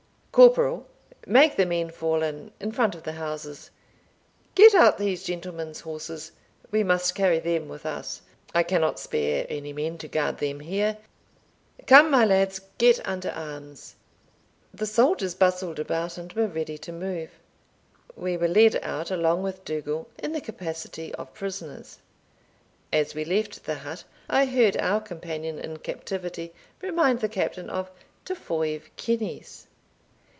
Corporal, make the men fall in, in front of the houses. Get out these gentlemen's horses; we must carry them with us. I cannot spare any men to guard them here. Come, my lads, get under arms." The soldiers bustled about, and were ready to move. We were led out, along with Dougal, in the capacity of prisoners. As we left the hut, I heard our companion in captivity remind the Captain of "ta foive kuineas."